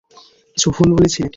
কিছু ভুল বলেছি নাকি?